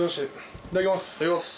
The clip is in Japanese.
いただきます。